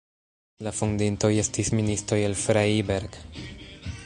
La fondintoj estis ministoj el Freiberg.